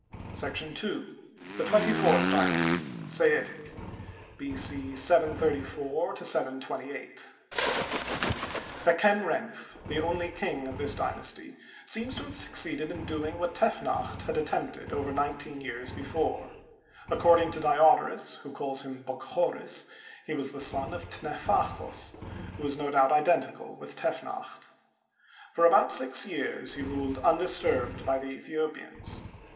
§ 2. The Twenty fourth Dynasty— Sattic (b. C. 134 12^, Bekenrenf, the only king of this dynasty, seems to have succeeded in doing what Tefnacht had attempted over nineteen years before. According to Diodorus, who calls him Bokchoris, he was the son of Tnefachthos, who is no doubt identical with Tefnacht. For about six years he ruled undisturbed by the Aethiopians.